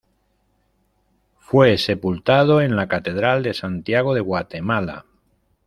Fue sepultado en la catedral de Santiago de Guatemala.